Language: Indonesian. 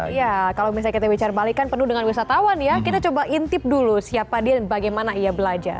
iya kalau misalnya kita bicara balik kan penuh dengan wisatawan ya kita coba intip dulu siapa dia dan bagaimana ia belajar